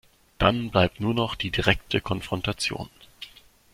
Dann bleibt nur noch die direkte Konfrontation.